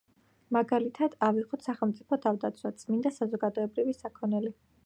მაგალითად, ავიღოთ სახელმწიფო თავდაცვა, წმინდა საზოგადოებრივი საქონელი.